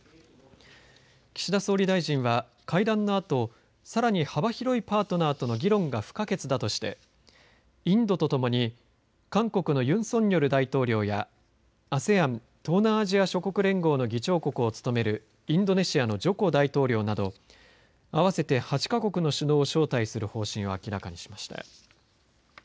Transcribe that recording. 岸田総理大臣は会談のあとさらに幅広いパートナーとの議論が不可欠だとしてインドとともに韓国のユン・ソンニョル大統領やＡＳＥＡＮ東南アジア諸国連合の議長国を務めるインドネシアのジョコ大統領など合わせて８か国の首脳を招待する方針を明らかにしました。